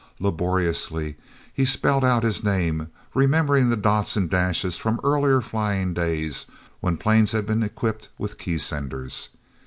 Laboriously he spelled out his name, remembering the dots and dashes from earlier flying days when planes had been equipped with key senders.